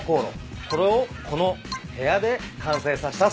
これをこの部屋で完成させたそうです。